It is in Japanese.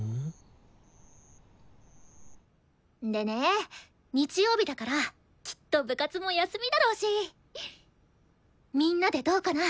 でね日曜日だからきっと部活も休みだろうしみんなでどうかな？